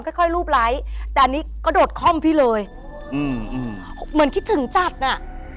ค่อยค่อยรูปไลค์แต่อันนี้กระโดดคล่อมพี่เลยอืมเหมือนคิดถึงจัดน่ะ